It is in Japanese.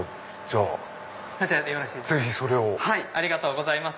ありがとうございます。